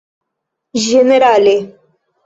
ĝenerale